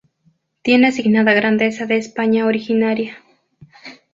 Tiene asignada Grandeza de España originaria.